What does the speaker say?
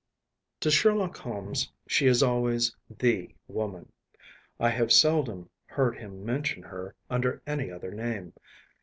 To Sherlock Holmes she is always the woman. I have seldom heard him mention her under any other name.